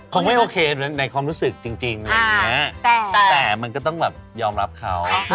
คงไม่โอเคในความรู้สึกจริงแต่มันก็ต้องแบบยอมรับเค้า